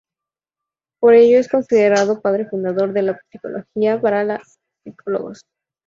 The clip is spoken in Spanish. Por ello es considerado padre fundador de la psicología para los psicólogos.